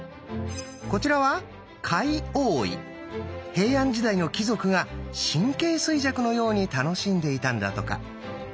平安時代の貴族が「神経衰弱」のように楽しんでいたんだとか。